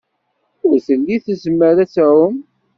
Ur telli tezmer ad tɛum.